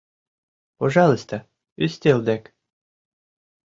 — Пожалуйста, ӱстел дек...